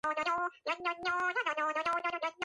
არა რუსულ კანონს!